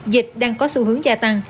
dịch đang có xu hướng gia tăng